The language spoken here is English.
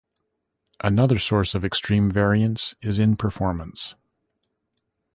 Another source of extreme variance is in performance.